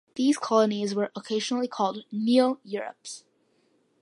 These colonies were occasionally called 'neo-Europes'.